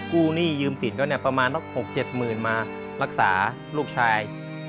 ก็กู้หนี้ยืมสินก็ประมาณ๖๗หมื่นมารักษาลูกชาย